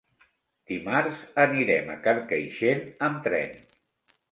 Dimarts anirem a Carcaixent amb tren.